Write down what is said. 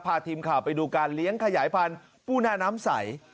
พาทีมข่าวไปดูการเลี้ยงขยายพันธุ์ปูหน้าน้ำใส